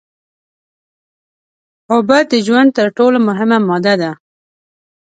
اوبه د ژوند تر ټول مهمه ماده ده